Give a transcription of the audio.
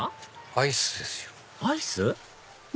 アイス？